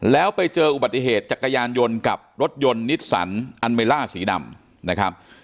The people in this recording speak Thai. แล้วไปเจออุบัติเหตุจักรยานยนต์กับรถยนต์นิสสันอันเมล่าสีดำนะครับ